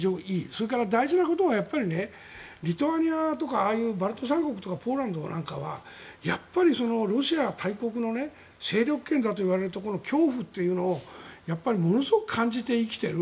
それから大事なことはリトアニアとかああいうバルト三国とかポーランドなんかはロシアの大国の勢力圏だといわれるところの恐怖というのをものすごく感じて生きている。